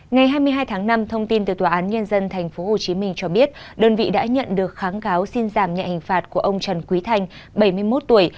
ngày hai mươi hai tháng năm thông tin từ tòa án nhân dân tp hcm cho biết đơn vị đã nhận được kháng cáo xin giảm nhẹ hình phạt của ông trần quý thanh bảy mươi một tuổi